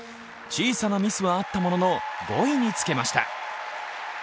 小さなミスはあったものの５位につけました。